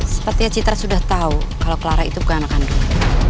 sepertinya citra sudah tahu kalau clara itu bukan anak kandungan